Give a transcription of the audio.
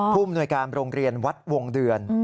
มนวยการโรงเรียนวัดวงเดือน